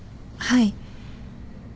はい。